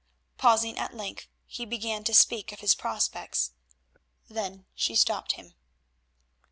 Pausing at length he began to speak of his prospects—then she stopped him.